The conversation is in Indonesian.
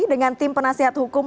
dengan tim penasihat hukum